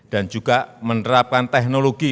dan juga menerapkan teknologi